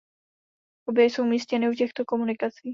Obě jsou umístěny u těchto komunikací.